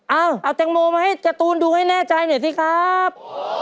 เอาเอาแตงโมมาให้การ์ตูนดูให้แน่ใจหน่อยสิครับ